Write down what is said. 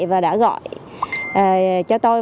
và đã gọi cho tôi